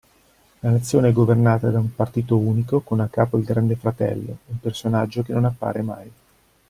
La nazione è governata da un partito unico con a capo Il Grande Fratello, un personaggio che non appare mai.